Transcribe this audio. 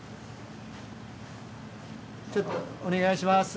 ちょっとお願いします。